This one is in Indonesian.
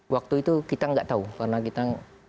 waktu itu kita gak tau karena kita